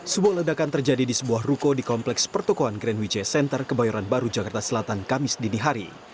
sebuah ledakan terjadi di sebuah ruko di kompleks pertokohan grand wijaya center kebayoran baru jakarta selatan kamis dinihari